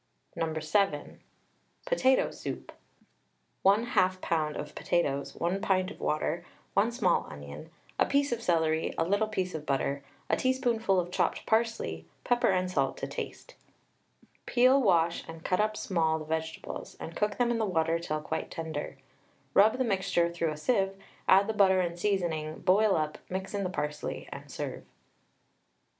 No. 7. POTATO SOUP. 1/2 lb. of potatoes, 1 pint of water, 1 small onion, a piece of celery, a little piece of butter, a teaspoonful of chopped parsley, pepper and salt to taste. Peel, wash, and cut up small the vegetables, and cook them in the water till quite tender. Rub the mixture through a sieve, add the butter and seasoning, boil up, mix in the parsley, and serve.